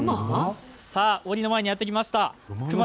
おりの前にやって来ました。